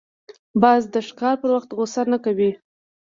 باز د ښکار پر وخت غوسه نه کوي